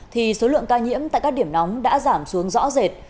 thì số lượng ca nhiễm tại các điểm nóng đã giảm xuống rõ rệt